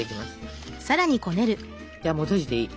じゃあもう閉じていい。